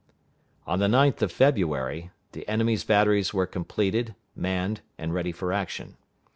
On the 9th of February, the enemy's batteries were completed, manned and ready for action.